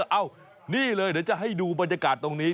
เอ้านี่เลยเดี๋ยวจะให้ดูบรรยากาศตรงนี้